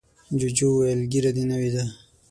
جوجو وویل ږیره دې نوې ده.